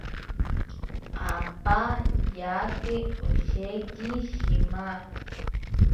Apa yake osheki shima.